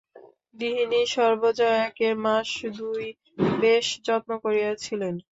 গৃহিণী সর্বজয়াকে মাস দুই বেশ যত্ন করিয়াছিলেন।